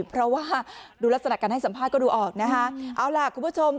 เพราะว่าดูลักษณะการให้สัมภาษณ์ก็ดูออกนะคะเอาล่ะคุณผู้ชม